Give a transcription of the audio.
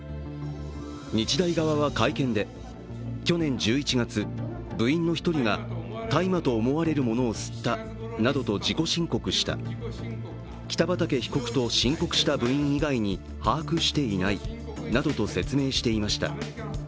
日大側は会見で、去年１１月、部員の１人が大麻と思われるものを吸ったなどと自己申告した、北畠被告と申告した部員以外に把握していないなどと説明していました。